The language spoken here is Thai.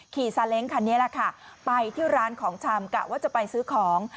ซาเล้งคันนี้แหละค่ะไปที่ร้านของชำกะว่าจะไปซื้อของ